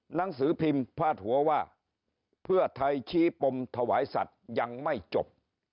หนังสือพิมพ์พาดหัวว่าเพื่อไทยชี้ปมถวายสัตว์ยังไม่จบ